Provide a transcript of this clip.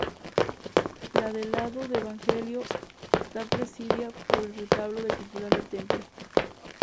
La del lado del Evangelio está presidida por el retablo del titular del templo.